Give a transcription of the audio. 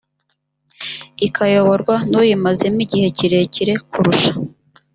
ikayoborwa n uyimazemo igihe kirekire kurusha